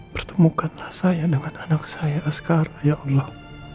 pertemukanlah saya dengan anak saya askara ya allah